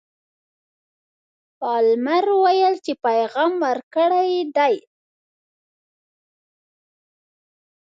پالمر ویل چې پیغام ورکړی دی.